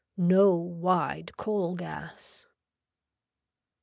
No wide coal gas.